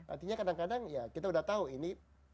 artinya kadang kadang ya kita udah tahu ini